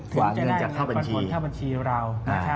ถึงจะได้เงินปันผลข้าวบัญชีเรา